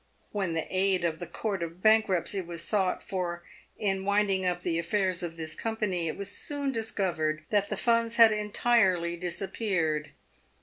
When the aid of the Court of Bankruptcy was sought for in winding up the affairs of this company, it was discovered that the funds had entirely disappeared.